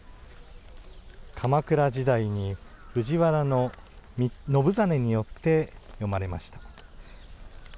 鎌倉時代に、藤原信実によって詠まれました。